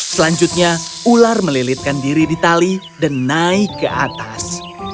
selanjutnya ular melilitkan diri di tali dan naik ke atas